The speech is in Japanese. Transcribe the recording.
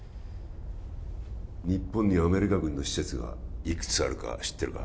日本にアメリカ軍の施設がいくつあるか知ってるか？